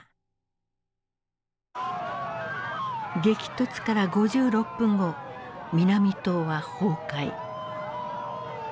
激突から５６分後南棟は崩壊。